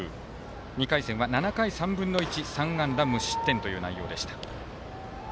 ２回戦は、７回３分の１３安打無失点という内容でした。